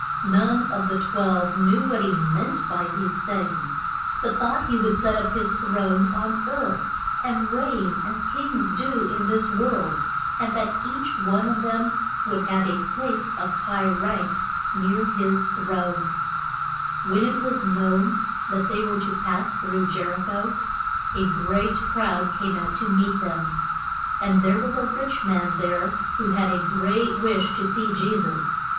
None of the twelve knew what he meant by these things, but thought he would set up his throne on earth, and reign as kings do in this world, and that each one of them would have a place of high rank near his throne. [Illustration: "SUF FER LIT TLE CHIL DREN TO COME UN TO ME."] When it was known that they were to pass through Jer i cho a great crowd came out to meet them. And there was a rich man there who had a great wish to see Je sus.